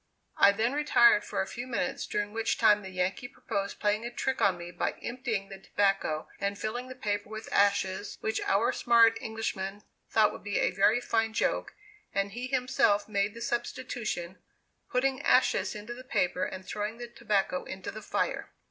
I then retired for a few minutes, during which time the Yankee proposed playing a trick on me by emptying the tobacco, and filling the paper with ashes, which our smart Englishman thought would be a very fine joke, and he himself made the substitution, putting ashes into the paper and throwing the tobacco into the fire.